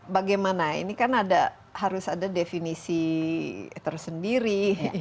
bagaimana ini kan harus ada definisi tersendiri